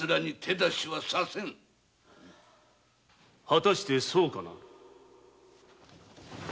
・はたしてそうかな。